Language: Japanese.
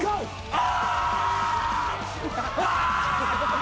あ！